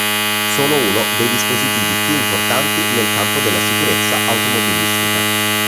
Sono uno dei dispositivi più importanti nel campo della sicurezza automobilistica.